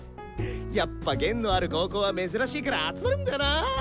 やっぱ弦のある高校は珍しいから集まるんだよな。